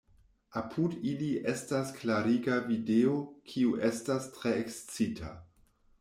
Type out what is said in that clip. Apud ili estas klariga video, kiu estas tre ekscita.